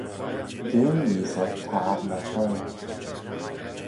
Geam Yeesey tar my whail.